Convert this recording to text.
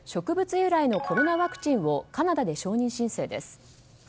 由来のコロナワクチンをカナダで承認申請です。